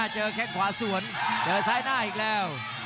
แข้งขวาสวนเจอซ้ายหน้าอีกแล้ว